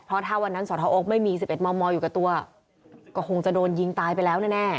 เพราะถ้าวันนั้นสทโอ๊คไม่มี๑๑มมอยู่กับตัวก็คงจะโดนยิงตายไปแล้วแน่